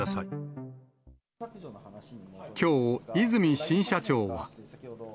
きょう、和泉新社長は。